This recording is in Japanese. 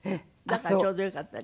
だからちょうどよかった？